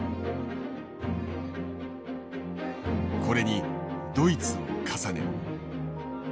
これにドイツを重ねる。